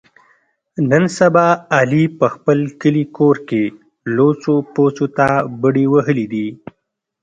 نن سبا علي په خپل کلي کور کې لوڅو پوڅو ته بډې وهلې دي.